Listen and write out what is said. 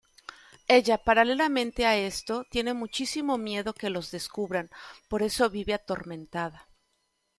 Ella paralelamente a esto, tiene muchísimo miedo que los descubran, por eso vive atormentada.